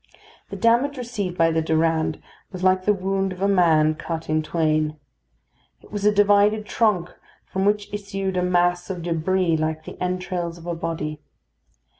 The damage received by the Durande was like the wound of a man cut in twain. It was a divided trunk from which issued a mass of débris like the entrails of a body.